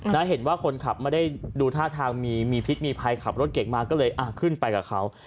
แล้วเห็นว่าคนขับไม่ได้ดูท่าทางมีพิษมีภัยขับรถเก่งมาก็เลยอ่ะขึ้นไปกับเขา